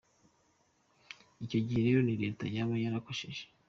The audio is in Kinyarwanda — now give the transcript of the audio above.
Icyo gihe rero ni Leta yaba yarakosheje.